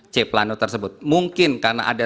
c planet tersebut mungkin karena ada